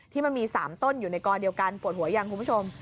ที่มี๓ต้นอยู่ในกอเดียวกันปวดหัวยังคุณผู้ชม